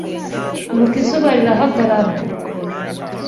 Nuko izuba rirahagarara